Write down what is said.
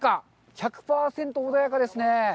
１００％穏やかですね。